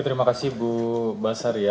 terima kasih bu basar